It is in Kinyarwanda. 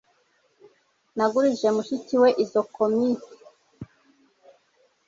Nagurije mushiki we izo comics